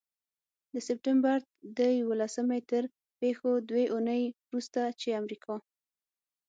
د سپټمبر د یوولسمې تر پيښو دوې اونۍ وروسته، چې امریکا